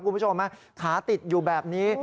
คุณผู้ชมขาติดอยู่แบบนี้